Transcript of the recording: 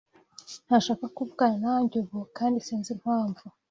Ntashaka kuvugana nanjye ubu, kandi sinzi impamvu.